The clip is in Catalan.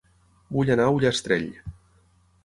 Vull anar a Ullastrell